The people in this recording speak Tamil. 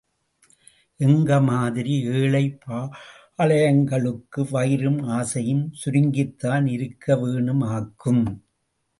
எங்க மாதிரி எழை பாழைங்களுக்கு வயிறும் ஆசையும் சுருங்கித்தான் இருக்கவேனுமாக்கும்!